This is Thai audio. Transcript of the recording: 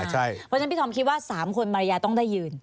เพราะฉะนั้นพี่ธอมคิดว่า๓คนมารยาต้องได้ยืน